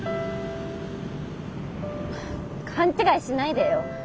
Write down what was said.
勘違いしないでよ。